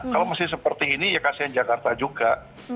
kalau masih seperti ini ya kasihan jakarta juga